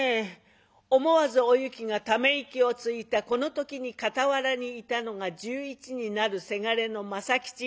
思わずおゆきがため息をついたこの時に傍らにいたのが１１になるせがれの政吉。